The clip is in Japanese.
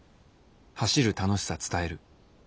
走る楽しさ伝える。